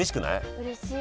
うれしい。